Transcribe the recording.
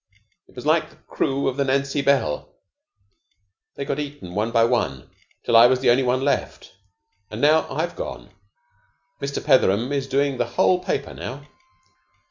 It was like the crew of the 'Nancy Bell.' They got eaten one by one, till I was the only one left. And now I've gone. Mr. Petheram is doing the whole paper now."